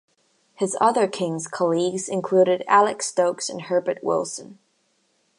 His other King's colleagues included Alex Stokes and Herbert Wilson.